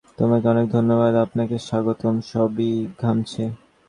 তোমাকে অনেক ধন্যবাদ - আপনাকে স্বাগতম - সবই ঘামছে।